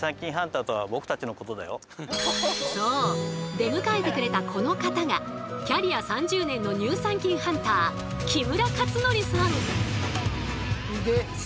出迎えてくれたこの方がキャリア３０年の乳酸菌ハンターそう